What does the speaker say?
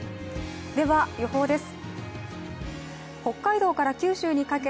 では予報です。